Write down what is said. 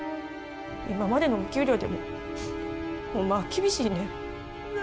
今までのお給料でもホンマは厳しいねん。